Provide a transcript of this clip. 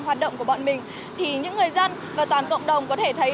hoạt động của bọn mình thì những người dân và toàn cộng đồng có thể thấy